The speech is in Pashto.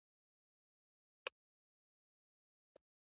هغه د خټکو، هندواڼو، جوارو او اوربشو د سلامتۍ لپاره دعاګانې کولې.